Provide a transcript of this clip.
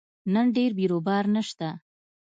نن ډېر بیروبار نشته